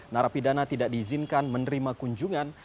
narapidana tidak diizinkan menerima kunjungan